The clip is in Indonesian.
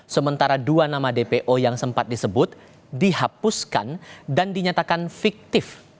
sementara dua nama dpo yang sempat disebut dihapuskan dan dinyatakan fiktif